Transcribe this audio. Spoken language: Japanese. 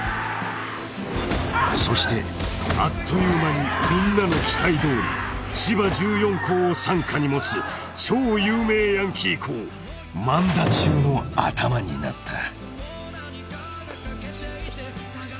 ［そしてあっという間にみんなの期待どおり千葉１４校を傘下に持つ超有名ヤンキー校萬田中のアタマになった］